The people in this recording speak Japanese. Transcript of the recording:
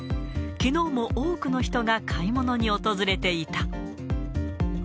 きのうも多くの人が買い物に訪れていた。